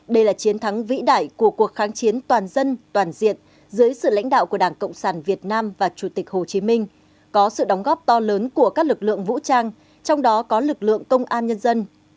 đây là chiến thắng vĩ đại của cuộc kháng chiến toàn dân toàn diện dưới sự lãnh đạo của đảng cộng sản việt nam và chủ tịch hồ chí minh có sự đóng góp to lớn của các lực lượng vũ trang trong đó có lực lượng công an nhân dân